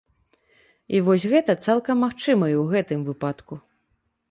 І вось гэта цалкам магчыма і ў гэтым выпадку.